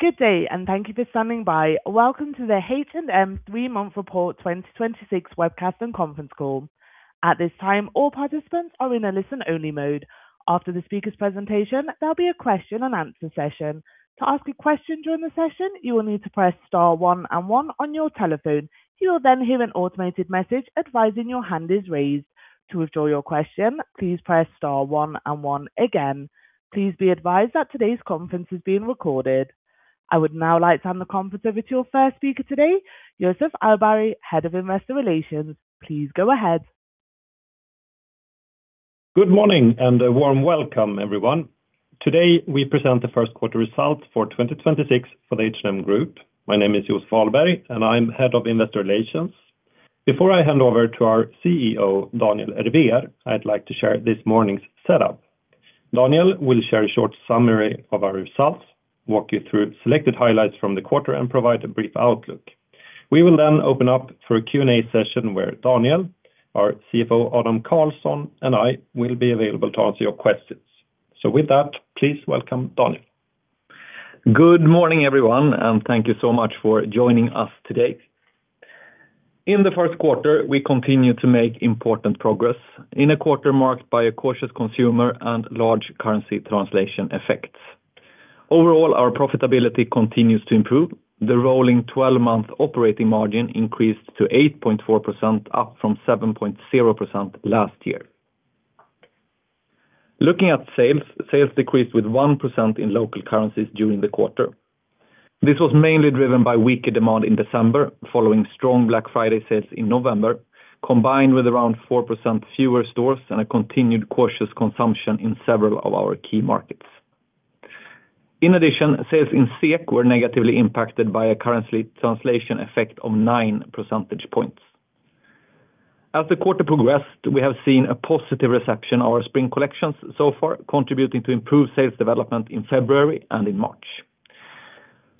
Good day and thank you for standing by. Welcome to the H&M three-month report 2026 webcast and conference call. At this time, all participants are in a listen-only mode. After the speaker's presentation, there'll be a question and answer session. To ask a question during the session, you will need to press star one and one on your telephone. You will then hear an automated message advising your hand is raised. To withdraw your question, please press star one and one again. Please be advised that today's conference is being recorded. I would now like to hand the conference over to your first speaker today, Joseph Ahlberg, Head of Investor Relations. Please go ahead. Good morning and a warm welcome, everyone. Today, we present the first quarter results for 2026 for the H&M Group. My name is Joseph Ahlberg, and I'm Head of Investor Relations. Before I hand over to our CEO, Daniel Ervér, I'd like to share this morning's setup. Daniel will share a short summary of our results, walk you through selected highlights from the quarter, and provide a brief outlook. We will then open up for a Q&A session where Daniel, our CFO, Adam Karlsson, and I will be available to answer your questions. With that, please welcome Daniel. Good morning, everyone, and thank you so much for joining us today. In the first quarter, we continued to make important progress in a quarter marked by a cautious consumer and large currency translation effects. Overall, our profitability continues to improve. The rolling twelve-month operating margin increased to 8.4%, up from 7.0% last year. Looking at sales decreased with 1% in local currencies during the quarter. This was mainly driven by weaker demand in December, following strong Black Friday sales in November, combined with around 4% fewer stores and a continued cautious consumption in several of our key markets. In addition, sales in SEK were negatively impacted by a currency translation effect of 9 percentage points. As the quarter progressed, we have seen a positive reception of our spring collections so far, contributing to improved sales development in February and in March.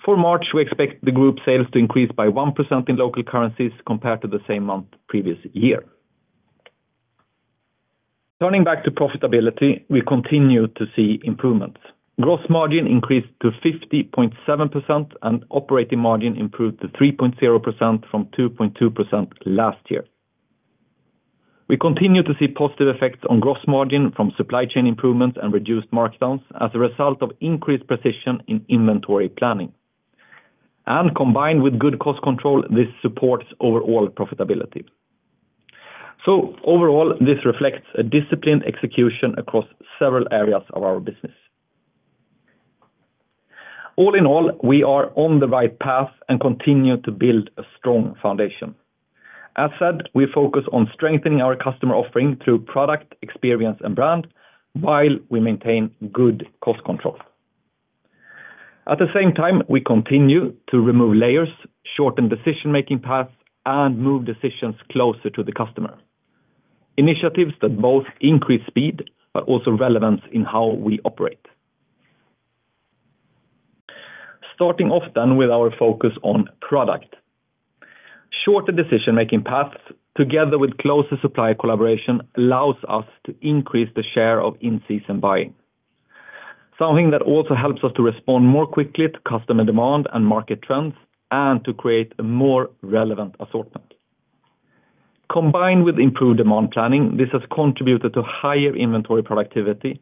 For March, we expect the group sales to increase by 1% in local currencies compared to the same month previous year. Turning back to profitability, we continue to see improvements. Gross margin increased to 50.7% and operating margin improved to 3.0% from 2.2% last year. We continue to see positive effects on gross margin from supply chain improvements and reduced markdowns as a result of increased precision in inventory planning. Combined with good cost control, this supports overall profitability. Overall, this reflects a disciplined execution across several areas of our business. All in all, we are on the right path and continue to build a strong foundation. As said, we focus on strengthening our customer offering through product, experience and brand while we maintain good cost control. At the same time, we continue to remove layers, shorten decision-making paths and move decisions closer to the customer, initiatives that both increase speed but also relevance in how we operate. Starting off with our focus on product. Shorter decision-making paths together with closer supplier collaboration allows us to increase the share of in-season buying. Something that also helps us to respond more quickly to customer demand and market trends and to create a more relevant assortment. Combined with improved demand planning, this has contributed to higher inventory productivity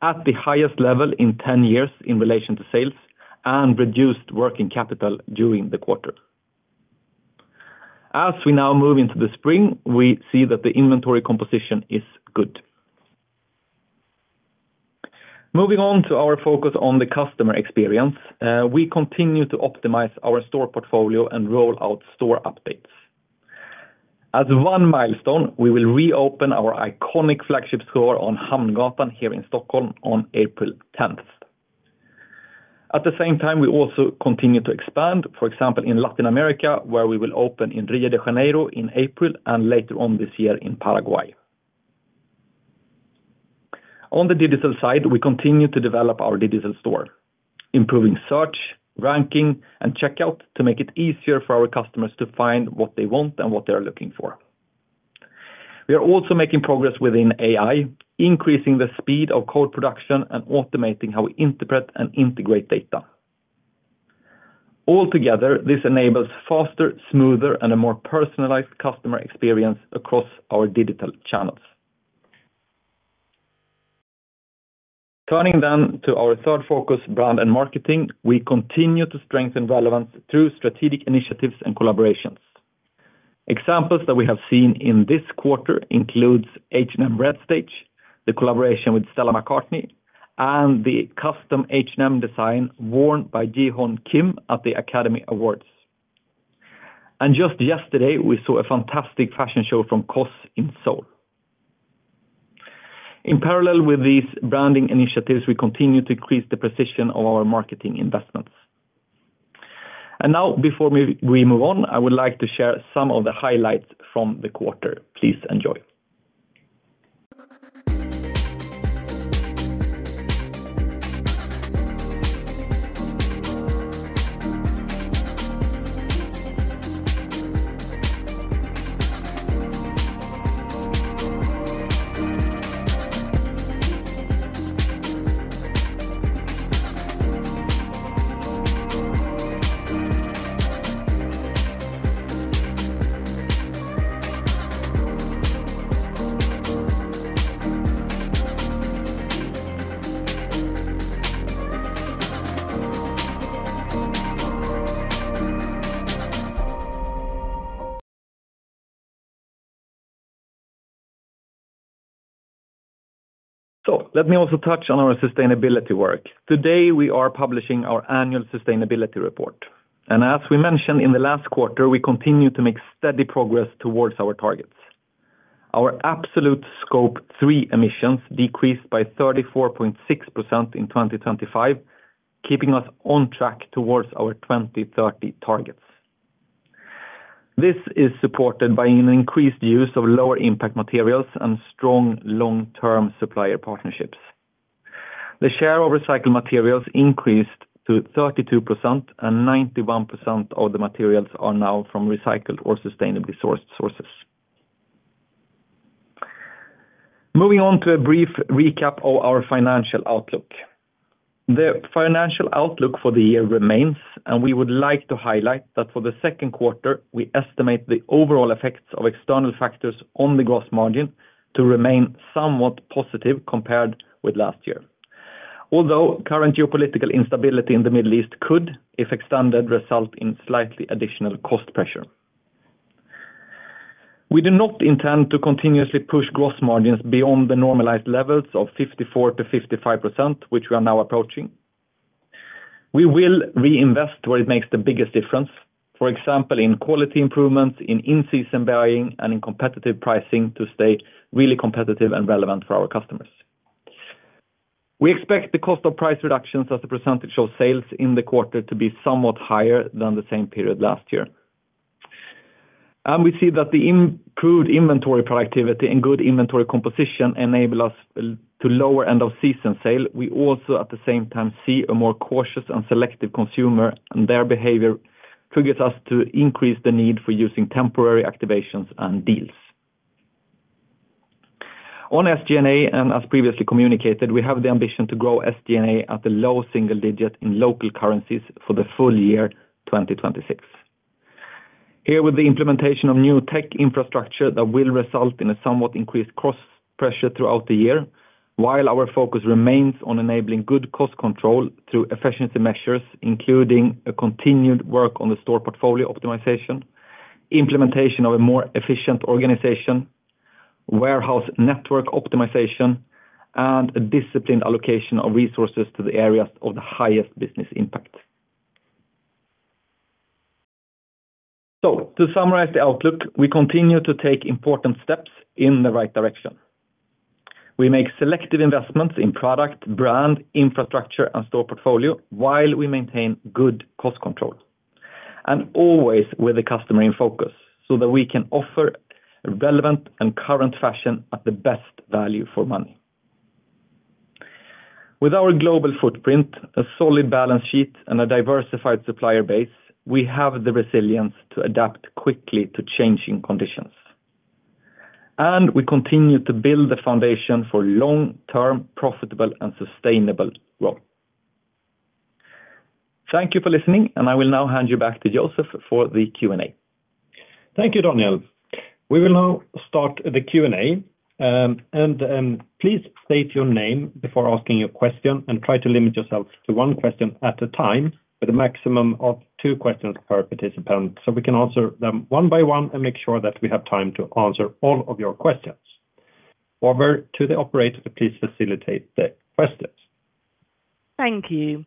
at the highest level in 10 years in relation to sales and reduced working capital during the quarter. As we now move into the spring, we see that the inventory composition is good. Moving on to our focus on the customer experience, we continue to optimize our store portfolio and roll out store updates. As one milestone, we will reopen our iconic flagship store on Hamngatan here in Stockholm on April tenth. At the same time, we also continue to expand, for example, in Latin America, where we will open in Rio de Janeiro in April and later on this year in Paraguay. On the digital side, we continue to develop our digital store, improving search, ranking and checkout to make it easier for our customers to find what they want and what they are looking for. We are also making progress within AI, increasing the speed of code production and automating how we interpret and integrate data. Altogether, this enables faster, smoother and a more personalized customer experience across our digital channels. Turning to our third focus, brand and marketing, we continue to strengthen relevance through strategic initiatives and collaborations. Examples that we have seen in this quarter includes H&M Red Stage, the collaboration with Stella McCartney and the custom H&M design worn by Jihoon Kim at the Academy Awards. Just yesterday, we saw a fantastic fashion show from COS in Seoul. In parallel with these branding initiatives, we continue to increase the precision of our marketing investments. Now, before we move on, I would like to share some of the highlights from the quarter. Please enjoy. Let me also touch on our sustainability work. Today, we are publishing our annual sustainability report. As we mentioned in the last quarter, we continue to make steady progress towards our targets. Our absolute Scope 3 emissions decreased by 34.6% in 2025, keeping us on track towards our 2030 targets. This is supported by an increased use of lower impact materials and strong long-term supplier partnerships. The share of recycled materials increased to 32% and 91% of the materials are now from recycled or sustainably sourced sources. Moving on to a brief recap of our financial outlook. The financial outlook for the year remains, and we would like to highlight that for the second quarter, we estimate the overall effects of external factors on the gross margin to remain somewhat positive compared with last year. Although current geopolitical instability in the Middle East could, if extended, result in slightly additional cost pressure. We do not intend to continuously push gross margins beyond the normalized levels of 54%-55%, which we are now approaching. We will reinvest where it makes the biggest difference, for example, in quality improvements, in-season buying and in competitive pricing to stay really competitive and relevant for our customers. We expect the cost of price reductions as a percentage of sales in the quarter to be somewhat higher than the same period last year. We see that the improved inventory productivity and good inventory composition enable us to lower end of season sale. We also, at the same time, see a more cautious and selective consumer, and their behavior triggers us to increase the need for using temporary activations and deals. On SG&A, and as previously communicated, we have the ambition to grow SG&A at a low single digit in local currencies for the full year 2026. Here with the implementation of new tech infrastructure that will result in a somewhat increased cross-pressure throughout the year, while our focus remains on enabling good cost control through efficiency measures, including a continued work on the store portfolio optimization, implementation of a more efficient organization, warehouse network optimization, and a disciplined allocation of resources to the areas of the highest business impact. To summarize the outlook, we continue to take important steps in the right direction. We make selective investments in product, brand, infrastructure and store portfolio while we maintain good cost control, and always with the customer in focus so that we can offer relevant and current fashion at the best value for money. With our global footprint, a solid balance sheet and a diversified supplier base, we have the resilience to adapt quickly to changing conditions. We continue to build the foundation for long-term, profitable and sustainable growth. Thank you for listening, and I will now hand you back to Joseph for the Q&A. Thank you, Daniel. We will now start the Q&A. Please state your name before asking your question and try to limit yourself to one question at a time with a maximum of two questions per participant, so we can answer them one by one and make sure that we have time to answer all of your questions. Over to the operator to please facilitate the questions. Thank you.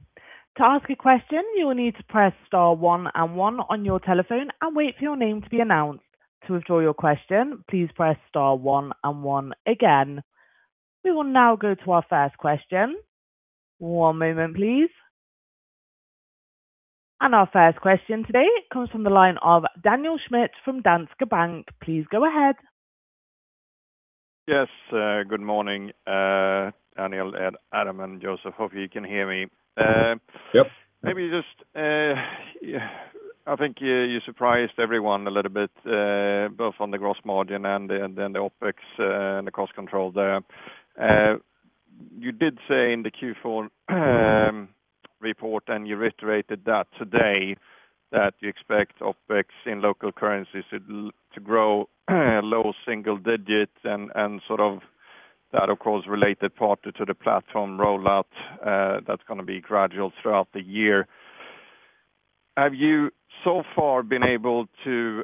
To ask a question, you will need to press star one and one on your telephone and wait for your name to be announced. To withdraw your question, please press star one and one again. We will now go to our first question. One moment, please. Our first question today comes from the line of Daniel Schmidt from Danske Bank. Please go ahead. Yes, good morning, Daniel, Adam and Joseph. Hope you can hear me. Yep. Maybe just, I think you surprised everyone a little bit, both on the gross margin and the OpEx, and the cost control there. You did say in the Q4 report, and you reiterated that today, that you expect OpEx in local currencies to grow low single digits and sort of that, of course, related partly to the platform rollout, that's gonna be gradual throughout the year. Have you so far been able to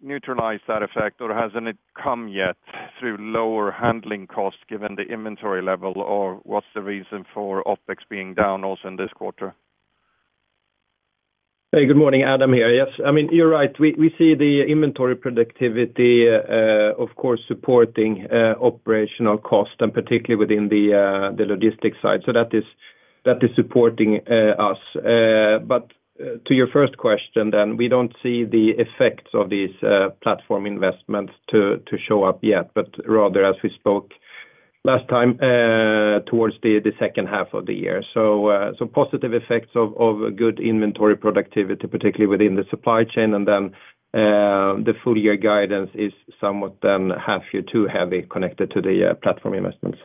neutralize that effect or hasn't it come yet through lower handling costs given the inventory level? Or what's the reason for OpEx being down also in this quarter? Hey, good morning. Adam here. Yes. I mean, you're right. We see the inventory productivity, of course supporting operational cost and particularly within the logistics side. That is supporting us. But to your first question then, we don't see the effects of these platform investments to show up yet, but rather as we spoke last time, towards the second half of the year. Positive effects of good inventory productivity, particularly within the supply chain and then the full-year guidance is somewhat then H2 heavy connected to the platform investments.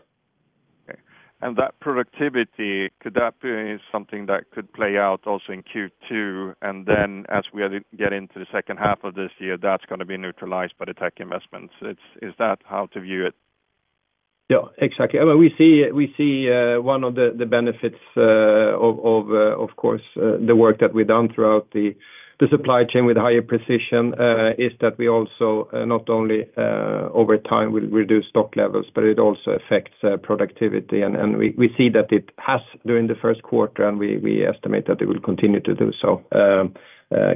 Okay. That productivity, could that be something that could play out also in Q2, and then as we are getting into the second half of this year, that's gonna be neutralized by the tech investments. It's. Is that how to view it? Yeah, exactly. I mean, we see one of the benefits, of course, of the work that we've done throughout the supply chain with higher precision, is that we also not only over time will reduce stock levels, but it also affects productivity. We see that it has during the first quarter, and we estimate that it will continue to do so,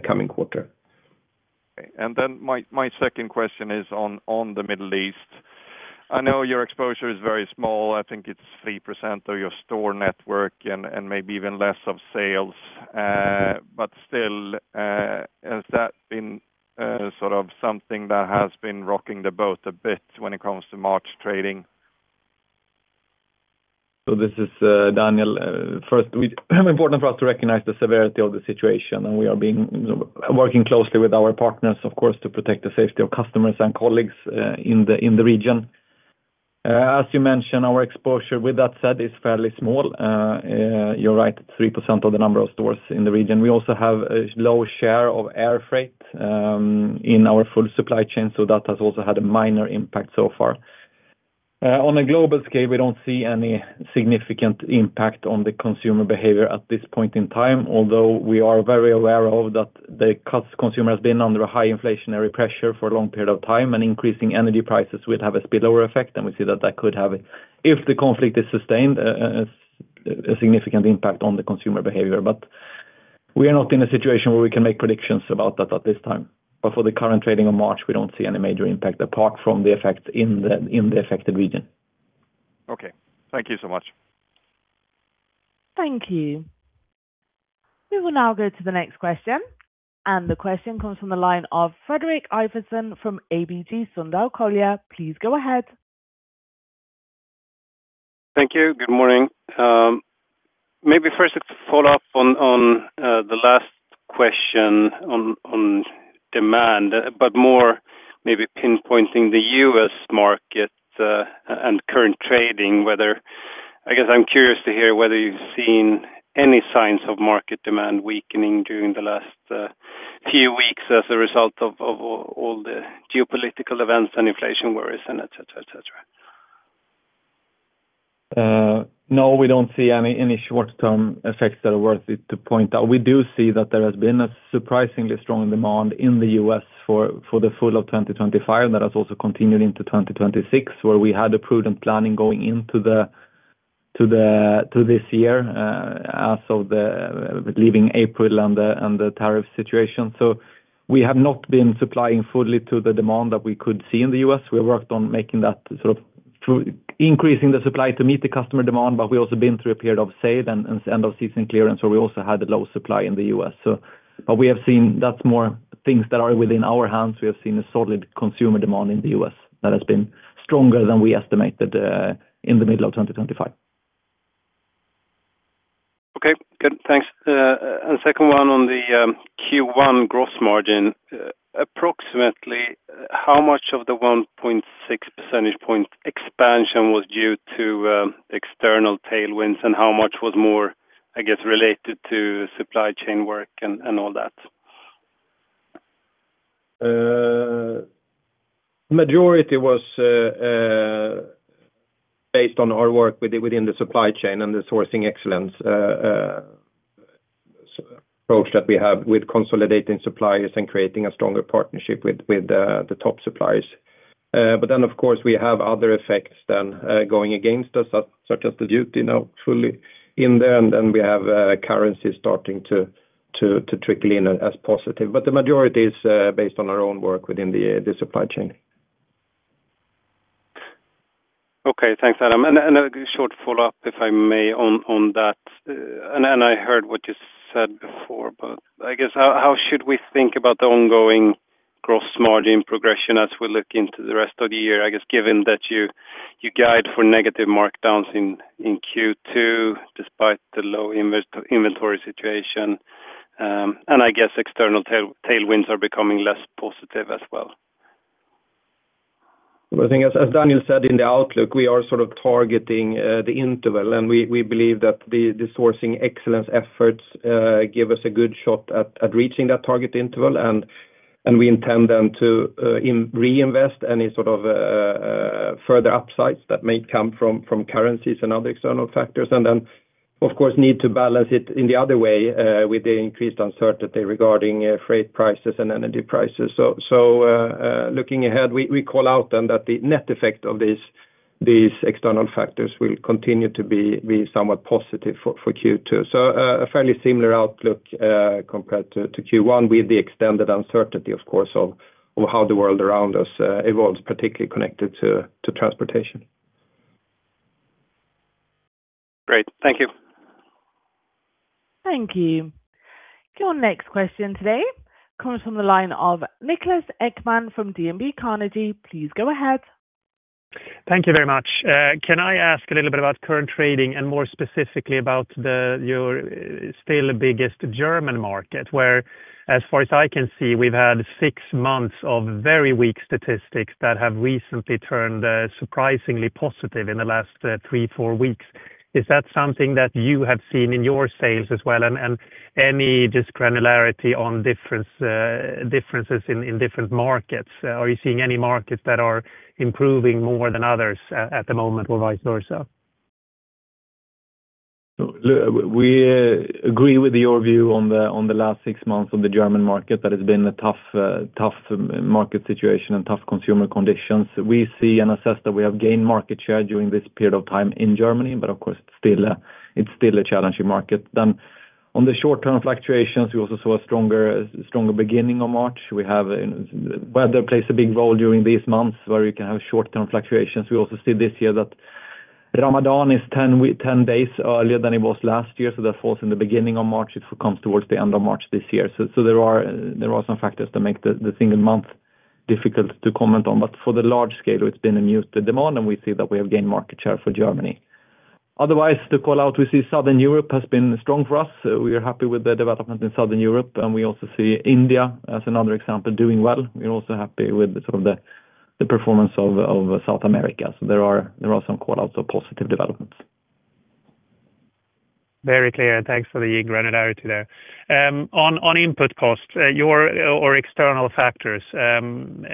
coming quarter. Okay. My second question is on the Middle East. I know your exposure is very small. I think it's 3% of your store network and maybe even less of sales. Still, has that been sort of something that has been rocking the boat a bit when it comes to March trading? This is Daniel Ervér. First, it's important for us to recognize the severity of the situation, and we're working closely with our partners, of course, to protect the safety of customers and colleagues in the region. As you mentioned, our exposure in that area is fairly small. You're right, 3% of the number of stores in the region. We also have a low share of air freight in our full supply chain, so that has also had a minor impact so far. On a global scale, we don't see any significant impact on the consumer behavior at this point in time, although we are very aware that the COS consumer has been under a high inflationary pressure for a long period of time, and increasing energy prices will have a spillover effect, and we see that could have, if the conflict is sustained, a significant impact on the consumer behavior. We are not in a situation where we can make predictions about that at this time. For the current trading of March, we don't see any major impact apart from the effect in the affected region. Okay. Thank you so much. Thank you. We will now go to the next question, and the question comes from the line of Fredrik Ivarsson from ABG Sundal Collier. Please go ahead. Thank you. Good morning. Maybe first just to follow up on the last question on demand, but more maybe pinpointing the U.S. market and current trading, whether I guess I'm curious to hear whether you've seen any signs of market demand weakening during the last few weeks as a result of all the geopolitical events and inflation worries and et cetera. No, we don't see any short-term effects that are worth it to point out. We do see that there has been a surprisingly strong demand in the U.S. for the fall of 2025. That has also continued into 2026, where we had prudent planning going into this year, as of the end of April and the tariff situation. We have not been supplying fully to the demand that we could see in the U.S. We worked on making that sort of through increasing the supply to meet the customer demand, but we also been through a period of sale and end of season clearance, so we also had a low supply in the U.S. We have seen that's more things that are within our hands. We have seen a solid consumer demand in the U.S. that has been stronger than we estimated in the middle of 2025. Okay, good. Thanks. Second one on the Q1 gross margin. Approximately how much of the 1.6 percentage point expansion was due to external tailwinds, and how much was more, I guess, related to supply chain work and all that? Majority was based on our work within the supply chain and the sourcing excellence approach that we have with consolidating suppliers and creating a stronger partnership with the top suppliers. Of course, we have other effects then going against us, such as the duty now truly in there, and then we have currency starting to trickle in as positive. The majority is based on our own work within the supply chain. Okay. Thanks, Adam. Short follow-up, if I may, on that. I heard what you said before, but I guess how should we think about the ongoing gross margin progression as we look into the rest of the year, I guess, given that you guide for negative markdowns in Q2 despite the low inventory situation, and I guess external tailwinds are becoming less positive as well? Well, I think as Daniel said in the outlook, we are sort of targeting the interval, and we believe that the sourcing excellence efforts give us a good shot at reaching that target interval, and we intend them to reinvest any sort of further upsides that may come from currencies and other external factors. Then, of course, we need to balance it in the other way with the increased uncertainty regarding freight prices and energy prices. Looking ahead, we call out then that the net effect of these external factors will continue to be somewhat positive for Q2. A fairly similar outlook compared to Q1 with the extended uncertainty, of course, of how the world around us evolves, particularly connected to transportation. Great. Thank you. Thank you. Your next question today comes from the line of Niklas Ekman from DNB Carnegie. Please go ahead. Thank you very much. Can I ask a little bit about current trading and more specifically about your still biggest German market, where as far as I can see, we've had six months of very weak statistics that have recently turned surprisingly positive in the last three to four weeks. Is that something that you have seen in your sales as well? Any granularity on differences in different markets? Are you seeing any markets that are improving more than others at the moment or vice versa? We agree with your view on the last six months of the German market that has been a tough market situation and tough consumer conditions. We see and assess that we have gained market share during this period of time in Germany, but of course, it's still a challenging market. On the short-term fluctuations, we also saw a stronger beginning of March. Weather plays a big role during these months where we can have short-term fluctuations. We also see this year that Ramadan is 10 days earlier than it was last year, so that falls in the beginning of March. It comes towards the end of March this year. There are some factors that make the single month difficult to comment on. For the large scale, it's been a muted demand, and we see that we have gained market share for Germany. Otherwise, to call out, we see Southern Europe has been strong for us. We are happy with the development in Southern Europe, and we also see India as another example, doing well. We're also happy with sort of the performance of South America. There are some call-outs of positive developments. Very clear. Thanks for the granularity there. On input costs or external factors,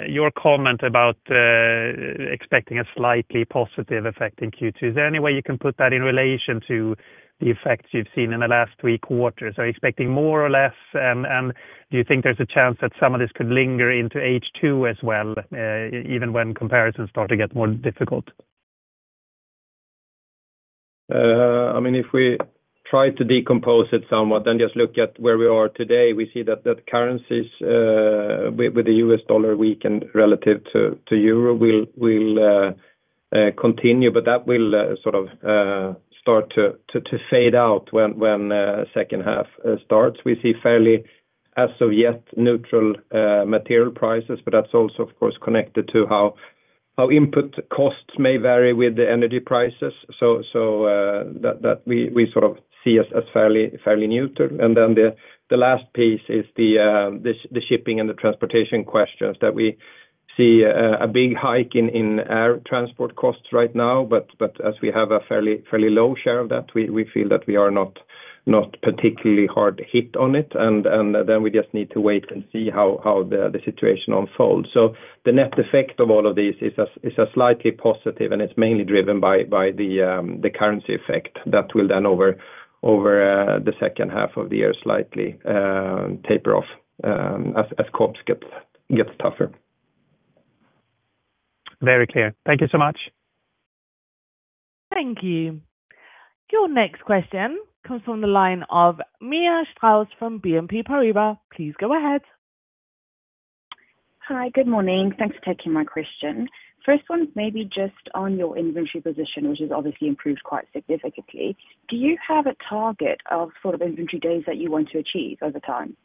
your comment about expecting a slightly positive effect in Q2, is there any way you can put that in relation to the effects you've seen in the last three quarters? Are you expecting more or less? Do you think there's a chance that some of this could linger into H2 as well, even when comparisons start to get more difficult? I mean, if we try to decompose it somewhat, then just look at where we are today. We see that currencies with the U.S. dollar weakened relative to euro will continue, but that will sort of start to fade out when second half starts. We see fairly as of yet neutral material prices, but that's also of course connected to how input costs may vary with the energy prices that we sort of see as fairly neutral. The last piece is the shipping and the transportation questions that we see a big hike in air transport costs right now. as we have a fairly low share of that, we feel that we are not particularly hard hit on it. Then we just need to wait and see how the situation unfolds. The net effect of all of these is a slightly positive, and it's mainly driven by the currency effect that will then over the second half of the year, slightly taper off, as comps get tougher. Very clear. Thank you so much. Thank you. Your next question comes from the line of Mia Strauss from BNP Paribas. Please go ahead. Hi. Good morning. Thanks for taking my question. First one is maybe just on your inventory position, which has obviously improved quite significantly. Do you have a target of sort of inventory days that you want to achieve over time?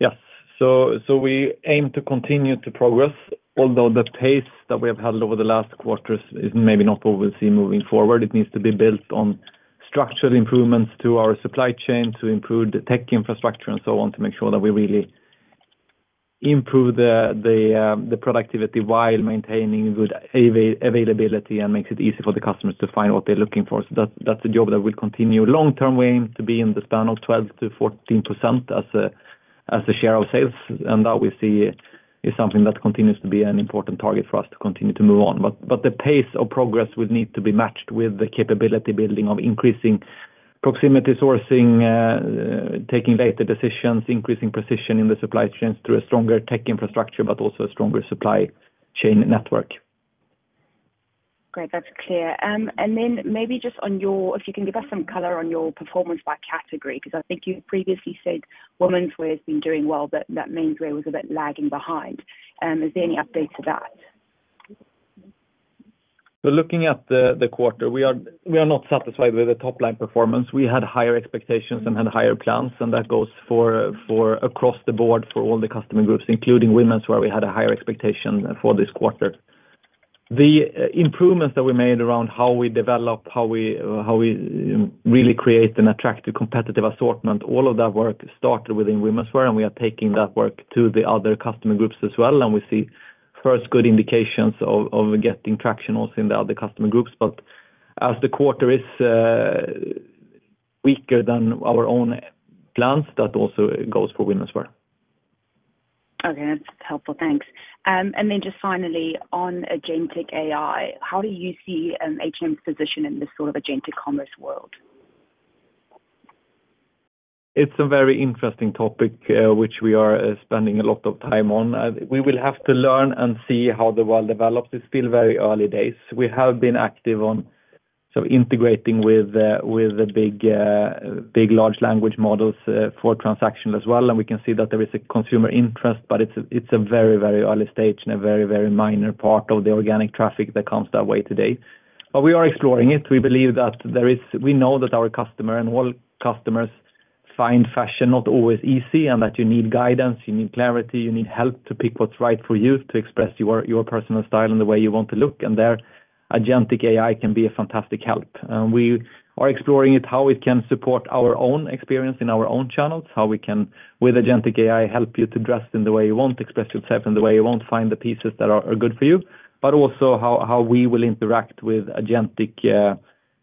Yes. We aim to continue to progress, although the pace that we have had over the last quarters is maybe not what we'll see moving forward. It needs to be built on structured improvements to our supply chain to improve the tech infrastructure and so on, to make sure that we really improve the productivity while maintaining good availability and makes it easy for the customers to find what they're looking for. That's a job that will continue long term. We aim to be in the span of 12%-14% as a share of sales. That we see is something that continues to be an important target for us to continue to move on. The pace of progress will need to be matched with the capability building of increasing proximity sourcing, taking data decisions, increasing precision in the supply chains through a stronger tech infrastructure, but also a stronger supply chain network. Great, that's clear. Maybe just if you can give us some color on your performance by category, because I think you previously said womenswear has been doing well, but that menswear was a bit lagging behind. Is there any update to that? Looking at the quarter, we are not satisfied with the top line performance. We had higher expectations and had higher plans. That goes for across the board for all the customer groups, including womenswear we had a higher expectation for this quarter. The improvements that we made around how we develop, how we really create an attractive competitive assortment, all of that work started within womenswear, and we are taking that work to the other customer groups as well. We see first good indications of getting traction also in the other customer groups. As the quarter is weaker than our own plans, that also goes for womenswear. Okay, that's helpful. Thanks. Just finally on agentic AI, how do you see H&M's position in this sort of agentic commerce world? It's a very interesting topic, which we are spending a lot of time on. We will have to learn and see how the world develops. It's still very early days. We have been active on sort of integrating with the big large language models for transaction as well. We can see that there is a consumer interest, but it's a very, very early stage and a very, very minor part of the organic traffic that comes that way today. We are exploring it. We believe that there is. We know that our customer and all customers find fashion not always easy and that you need guidance, you need clarity, you need help to pick what's right for you to express your personal style and the way you want to look. There agentic AI can be a fantastic help. We are exploring it, how it can support our own experience in our own channels. How we can with agentic AI help you to dress in the way you want, express yourself in the way you want, find the pieces that are good for you, but also how we will interact with agentic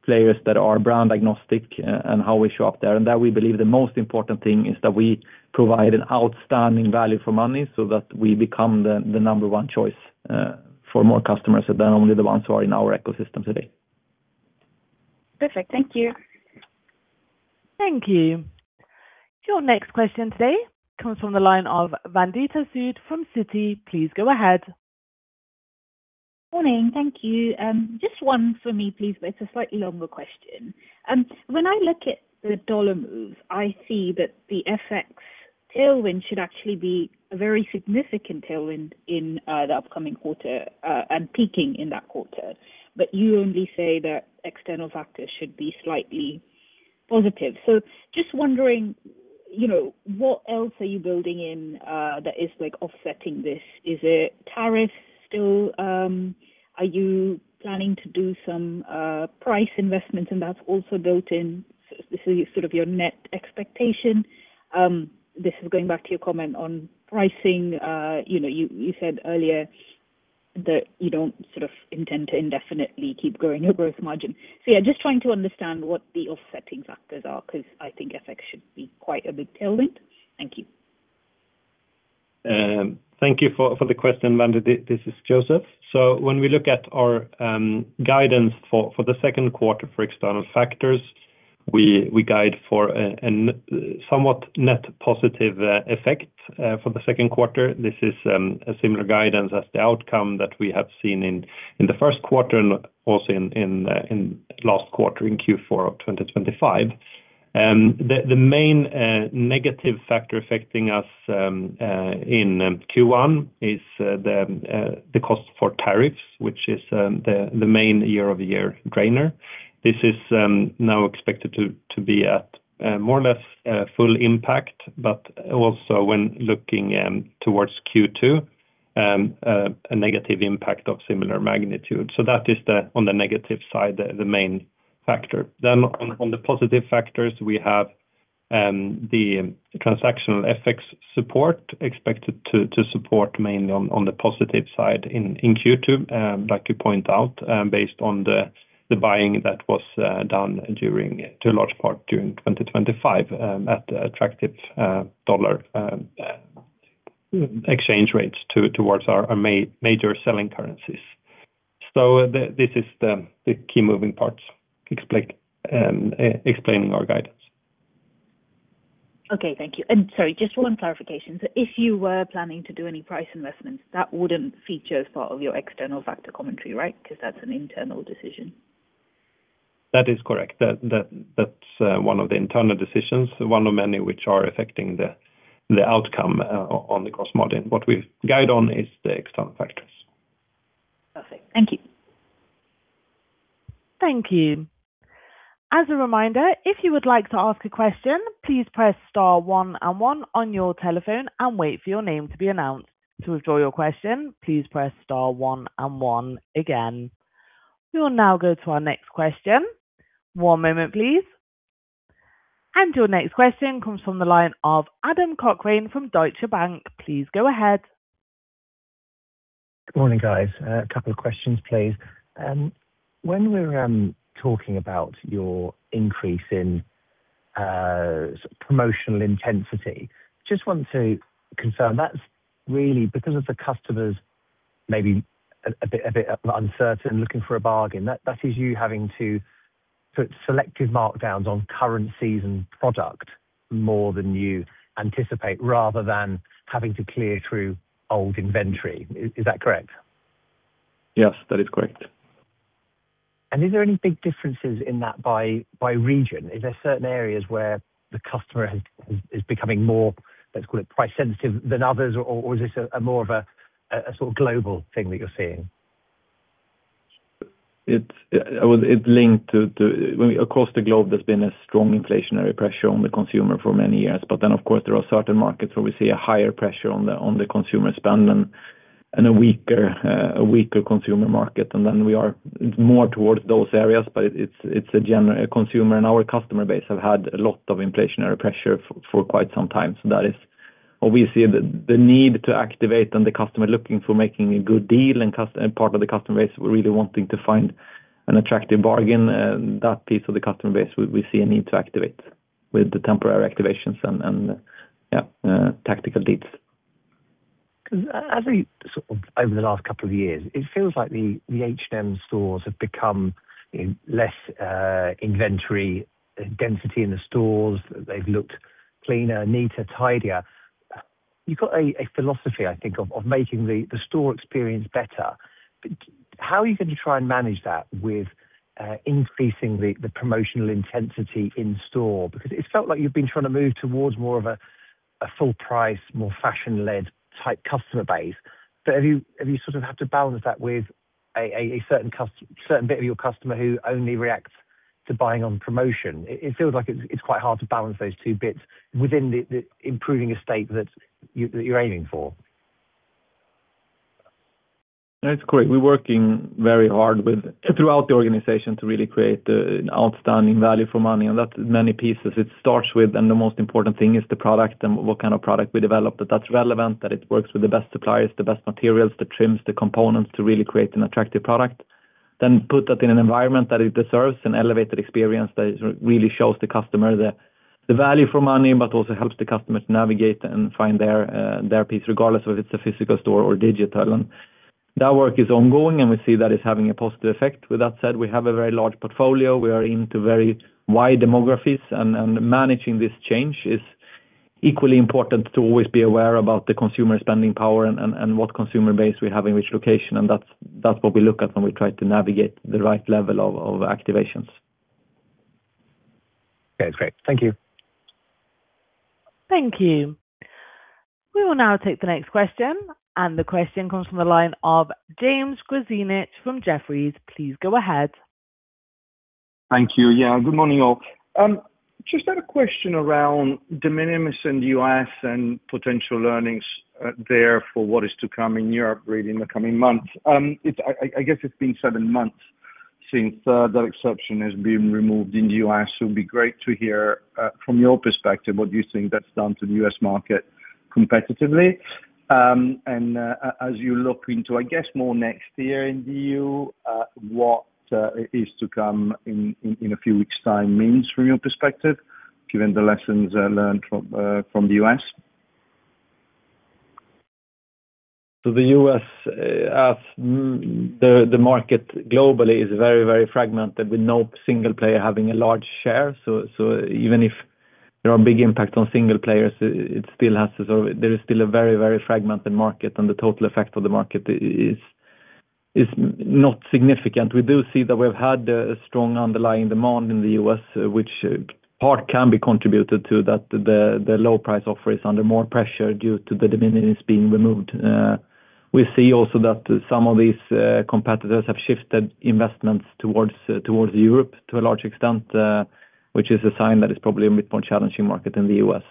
players that are brand agnostic and how we show up there. We believe the most important thing is that we provide an outstanding value for money so that we become the number one choice for more customers than only the ones who are in our ecosystem today. Perfect. Thank you. Thank you. Your next question today comes from the line of Vandita Sood from Citi. Please go ahead. Morning. Thank you. Just one for me, please, but it's a slightly longer question. When I look at the dollar move, I see that the FX tailwind should actually be a very significant tailwind in the upcoming quarter, and peaking in that quarter. You only say that external factors should be slightly positive. Just wondering, you know, what else are you building in that is like offsetting this? Is it tariff still? Are you planning to do some price investments and that's also built in sort of your net expectation? This is going back to your comment on pricing. You know, you said earlier that you don't sort of intend to indefinitely keep growing your gross margin. Yeah, just trying to understand what the offsetting factors are because I think FX should be quite a big tailwind. Thank you. Thank you for the question, Vandita. This is Josef. When we look at our guidance for the second quarter for external factors, we guide for a somewhat net positive effect for the second quarter. This is a similar guidance as the outcome that we have seen in the first quarter and also in last quarter, in Q4 of 2025. The main negative factor affecting us in Q1 is the cost for tariffs, which is the main year-over-year drainer. This is now expected to be at more or less full impact, but also when looking towards Q2, a negative impact of similar magnitude. That is the main factor on the negative side. On the positive factors we have the transactional FX support expected to support mainly on the positive side in Q2. I'd like to point out, based on the buying that was done during, to a large part, during 2025, at attractive dollar exchange rates towards our major selling currencies. This is the key moving parts explaining our guidance. Okay. Thank you. Sorry, just one clarification. If you were planning to do any price investments, that wouldn't feature as part of your external factor commentary, right? Because that's an internal decision. That is correct. That's one of the internal decisions, one of many which are affecting the outcome on the gross margin. What we guide on is the external factors. Perfect. Thank you. Thank you. As a reminder, if you would like to ask a question, please press star one and one on your telephone and wait for your name to be announced. To withdraw your question, please press star one and one again. We will now go to our next question. One moment please. Your next question comes from the line of Adam Cochrane from Deutsche Bank. Please go ahead. Good morning, guys. A couple of questions please. When we're talking about your increase in promotional intensity, just want to confirm that's really because of the customers may be a bit uncertain looking for a bargain, that is you having to put selective markdowns on current season product more than you anticipate, rather than having to clear through old inventory. Is that correct? Yes, that is correct. Is there any big differences in that by region? Is there certain areas where the customer is becoming more, let's call it price sensitive than others? Or is this more of a sort of global thing that you're seeing? Across the globe there's been a strong inflationary pressure on the consumer for many years. Of course there are certain markets where we see a higher pressure on the consumer spend and a weaker consumer market. We are more towards those areas. It's a general consumer and our customer base have had a lot of inflationary pressure for quite some time. That is what we see the need to activate and the customer looking for making a good deal and part of the customer base really wanting to find an attractive bargain, that piece of the customer base we see a need to activate with the temporary activations and tactical deals. Because as we sort of over the last couple of years, it feels like the H&M stores have become, you know, less inventory density in the stores. They've looked cleaner, neater, tidier. You've got a philosophy I think of making the store experience better. How are you going to try and manage that with increasing the promotional intensity in store? Because it felt like you've been trying to move towards more of a full price, more fashion-led type customer base. Have you sort of had to balance that with a certain bit of your customer who only reacts to buying on promotion? It feels like it's quite hard to balance those two bits within the improving estate that you're aiming for. That's correct. We're working very hard throughout the organization to really create an outstanding value for money, and that's many pieces it starts with. The most important thing is the product and what kind of product we develop that is relevant, that it works with the best suppliers, the best materials, the trims, the components to really create an attractive product. Then put that in an environment that it deserves, an elevated experience that really shows the customer the value for money, but also helps the customer to navigate and find their piece, regardless of if it's a physical store or digital. That work is ongoing, and we see that it's having a positive effect. With that said, we have a very large portfolio. We are into very wide demographics, and managing this change is equally important to always be aware about the consumer spending power and what consumer base we have in which location. That's what we look at when we try to navigate the right level of activations. Okay, great. Thank you. Thank you. We will now take the next question, and the question comes from the line of James Grzinic from Jefferies. Please go ahead. Thank you. Yeah, good morning, all. Just had a question around de minimis in the U.S. and potential earnings there for what is to come in Europe really in the coming months. I guess it's been seven months since that exception has been removed in the U.S., so it'd be great to hear from your perspective what you think that's done to the U.S. market competitively. As you look into, I guess, more next year in the EU, what is to come in a few weeks' time means from your perspective, given the lessons learned from the U.S. The U.S., as the market globally is very fragmented, with no single player having a large share. Even if there are big impacts on single players, there is still a very fragmented market, and the total effect of the market is not significant. We do see that we've had a strong underlying demand in the U.S., which part can be contributed to that the low price offer is under more pressure due to the de minimis being removed. We see also that some of these competitors have shifted investments towards Europe to a large extent, which is a sign that it's probably a bit more challenging market than the U.S.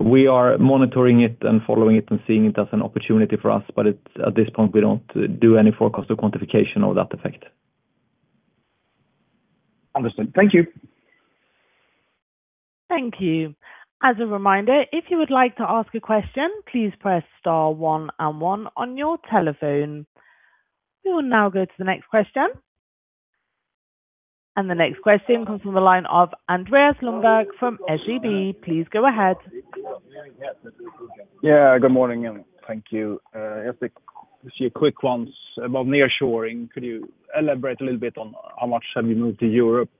We are monitoring it and following it and seeing it as an opportunity for us. It's at this point, we don't do any forecast or quantification or that effect. Understood. Thank you. Thank you. As a reminder, if you would like to ask a question, please press star one and one on your telephone. We will now go to the next question. The next question comes from the line of Andreas Lundberg from SEB. Please go ahead. Yeah, good morning, and thank you. Just a quick one about nearshoring. Could you elaborate a little bit on how much have you moved to Europe?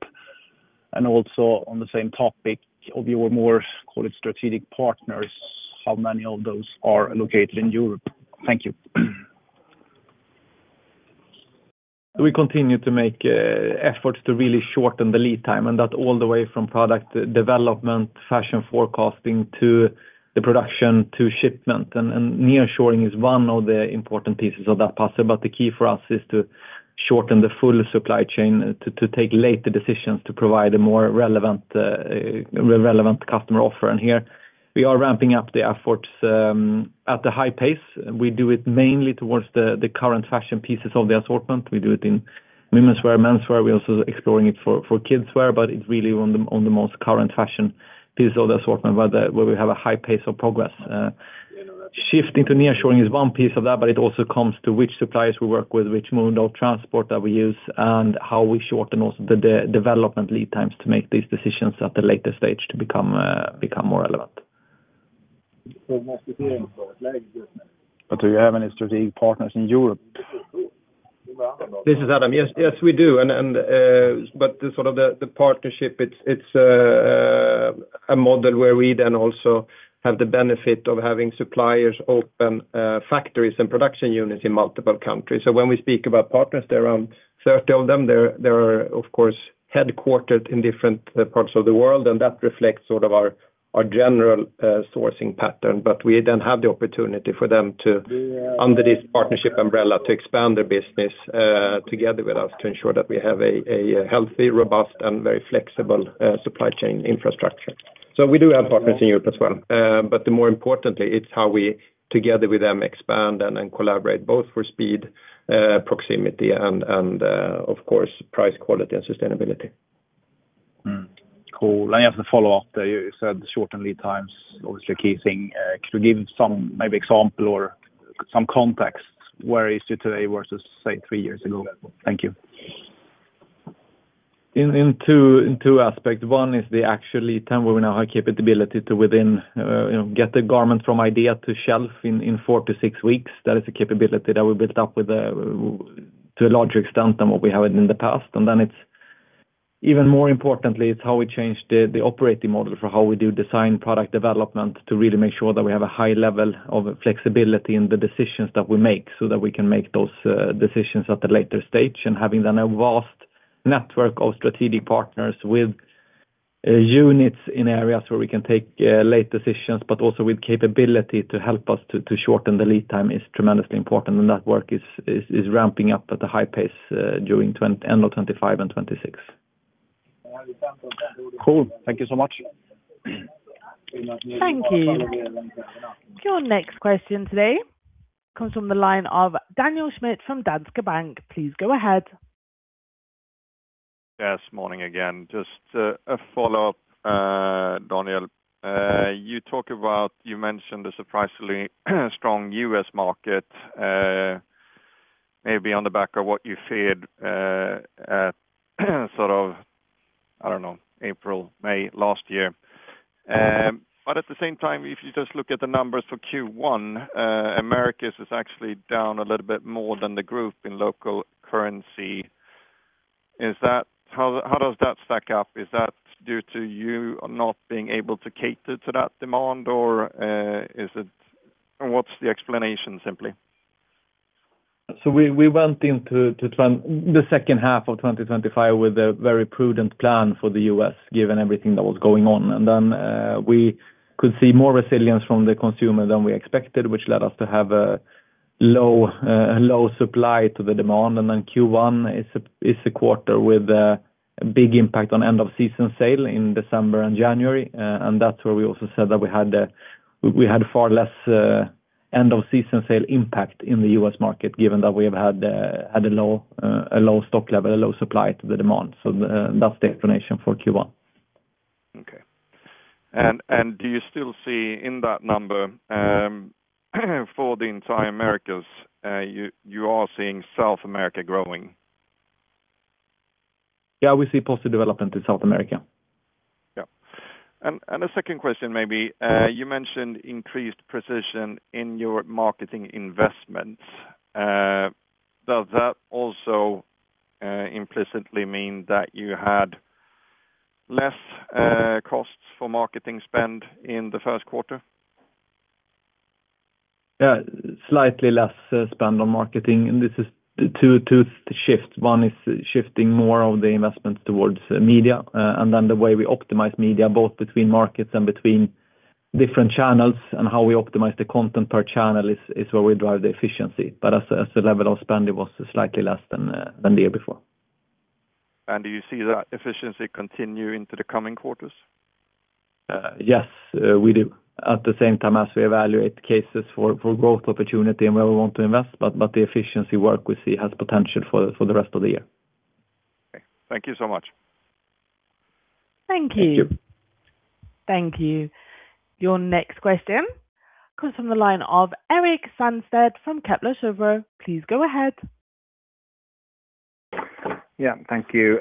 Also on the same topic, of your more, call it strategic partners, how many of those are located in Europe? Thank you. We continue to make efforts to really shorten the lead time, and that all the way from product development, fashion forecasting to the production to shipment. Nearshoring is one of the important pieces of that puzzle. The key for us is to shorten the full supply chain to take later decisions to provide a more relevant customer offer. Here we are ramping up the efforts at a high pace. We do it mainly towards the current fashion pieces of the assortment. We do it in womenswear, menswear. We're also exploring it for kidswear, but it's really on the most current fashion piece of the assortment where we have a high pace of progress. Shifting to nearshoring is one piece of that, but it also comes to which suppliers we work with, which mode of transport that we use, and how we shorten also the development lead times to make these decisions at a later stage to become more relevant. Do you have any strategic partners in Europe? This is Adam. Yes, we do. The partnership it's a model where we then also have the benefit of having suppliers open factories and production units in multiple countries. When we speak about partners, there are around 30 of them. They're of course headquartered in different parts of the world, and that reflects sort of our general sourcing pattern. We then have the opportunity for them to, under this partnership umbrella, to expand their business together with us, to ensure that we have a healthy, robust and very flexible supply chain infrastructure. We do have partners in Europe as well. More importantly, it's how we together with them expand and collaborate both for speed, proximity and of course, price, quality and sustainability. Cool. I have to follow up. You said shorten lead times, obviously a key thing. Could you give some maybe example or some context, where is it today versus, say, three years ago? Thank you. In two aspects. One is the actual time where we now have capability to, within you know, get the garment from idea to shelf in four to six weeks. That is a capability that we built up to a larger extent than what we have in the past. Then it's even more importantly, it's how we change the operating model for how we do design product development to really make sure that we have a high level of flexibility in the decisions that we make so that we can make those decisions at a later stage. Having done a vast network of strategic partners with units in areas where we can take late decisions, but also with capability to help us to shorten the lead time is tremendously important, and that work is ramping up at a high pace during end of 2025 and 2026. Cool. Thank you so much. Thank you. Your next question today comes from the line of Daniel Schmidt from Danske Bank. Please go ahead. Yes, morning again. Just a follow-up, Daniel. You mentioned the surprisingly strong U.S. market, maybe on the back of what you said at sort of, I don't know, April, May last year. At the same time, if you just look at the numbers for Q1, Americas is actually down a little bit more than the group in local currency. How does that stack up? Is that due to you not being able to cater to that demand or what's the explanation, simply? We went into the second half of 2025 with a very prudent plan for the U.S., given everything that was going on. We could see more resilience from the consumer than we expected, which led us to have a low supply to the demand. Q1 is a quarter with big impact on end of season sale in December and January. That's where we also said that we had far less end of season sale impact in the U.S. market, given that we had a low stock level, a low supply to the demand. That's the explanation for Q1. Okay. Do you still see in that number for the entire Americas you are seeing South America growing? Yeah, we see positive development in South America. Yeah. A second question maybe. You mentioned increased precision in your marketing investments. Does that also implicitly mean that you had less costs for marketing spend in the first quarter? Yeah, slightly less spend on marketing. This is two shifts. One is shifting more of the investments towards media, and then the way we optimize media, both between markets and between different channels and how we optimize the content per channel is where we drive the efficiency. As a level of spend, it was slightly less than the year before. Do you see that efficiency continue into the coming quarters? Yes, we do. At the same time as we evaluate cases for growth opportunity and where we want to invest, but the efficiency work we see has potential for the rest of the year. Okay. Thank you so much. Thank you. Thank you. Thank you. Your next question comes from the line of Erik Sandstedt from Kepler Cheuvreux. Please go ahead. Yeah. Thank you.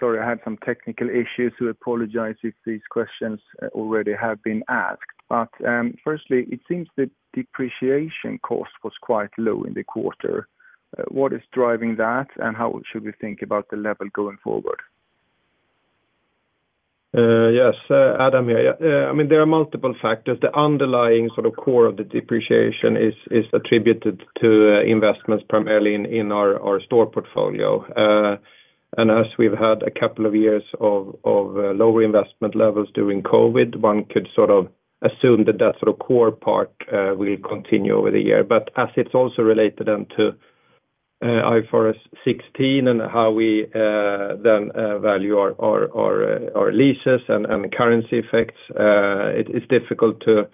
Sorry, I had some technical issues. I apologize if these questions already have been asked. Firstly, it seems the depreciation cost was quite low in the quarter. What is driving that? How should we think about the level going forward? Yes. Adam here. Yeah. I mean, there are multiple factors. The underlying sort of core of the depreciation is attributed to investments primarily in our store portfolio. As we've had a couple of years of lower investment levels during COVID, one could sort of assume that sort of core part will continue over the year. As it's also related to IFRS 16 and how we then value our leases and currency effects, it's difficult to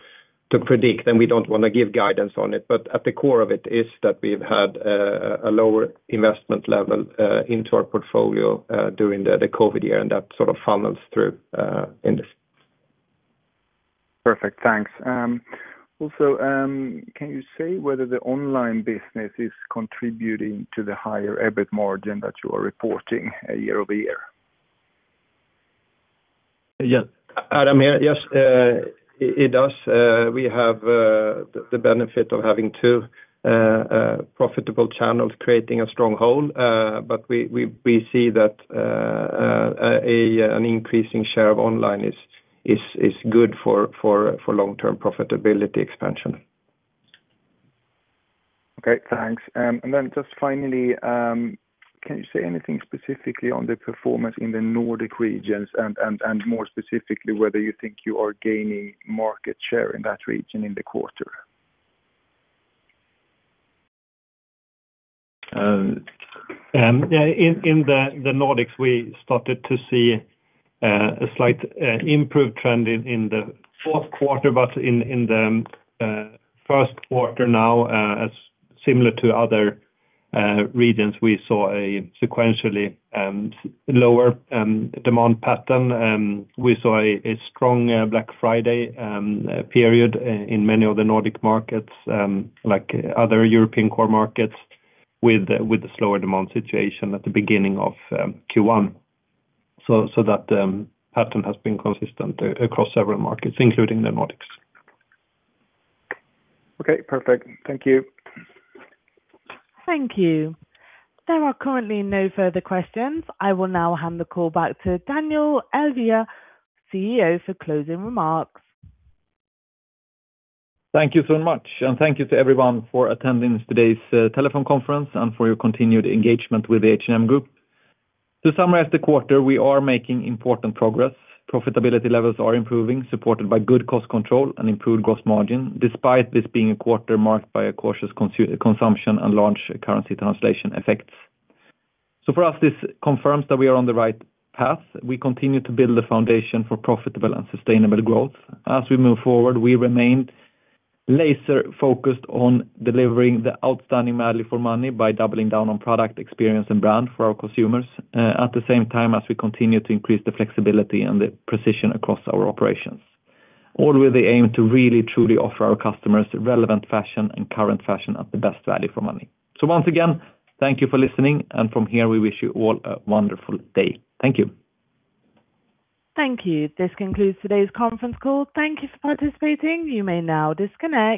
predict, and we don't wanna give guidance on it. At the core of it is that we've had a lower investment level into our portfolio during the COVID year, and that sort of funnels through in this. Perfect, thanks. Also, can you say whether the online business is contributing to the higher EBIT margin that you are reporting year over year? Yeah. Adam here. Yes, it does. We have the benefit of having two profitable channels creating a stronghold. We see that an increasing share of online is good for long-term profitability expansion. Okay, thanks. Just finally, can you say anything specifically on the performance in the Nordic regions and more specifically, whether you think you are gaining market share in that region in the quarter? In the Nordics, we started to see a slightly improved trend in the fourth quarter. In the first quarter now, as similar to other regions, we saw a sequentially lower demand pattern. We saw a strong Black Friday period in many of the Nordic markets, like other European core markets with the slower demand situation at the beginning of Q1. That pattern has been consistent across several markets, including the Nordics. Okay, perfect. Thank you. Thank you. There are currently no further questions. I will now hand the call back to Daniel Ervér, CEO, for closing remarks. Thank you so much, and thank you to everyone for attending today's telephone conference and for your continued engagement with the H&M Group. To summarize the quarter, we are making important progress. Profitability levels are improving, supported by good cost control and improved gross margin, despite this being a quarter marked by a cautious consumption and large currency translation effects. For us, this confirms that we are on the right path. We continue to build a foundation for profitable and sustainable growth. As we move forward, we remain laser-focused on delivering the outstanding value for money by doubling down on product experience and brand for our consumers, at the same time as we continue to increase the flexibility and the precision across our operations. All with the aim to really truly offer our customers relevant fashion and current fashion at the best value for money. Once again, thank you for listening, and from here, we wish you all a wonderful day. Thank you. Thank you. This concludes today's conference call. Thank you for participating. You may now disconnect.